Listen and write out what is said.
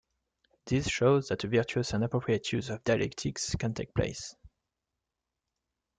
This shows that a virtuous and appropriate use of dialectics can take place.